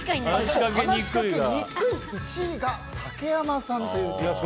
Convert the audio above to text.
話しかけにくい人１位が竹山さんということでした。